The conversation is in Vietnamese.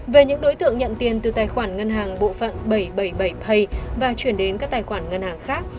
về những đối tượng nhận tiền từ tài khoản ngân hàng bộ phận bảy trăm bảy mươi bảy p và chuyển đến các tài khoản ngân hàng khác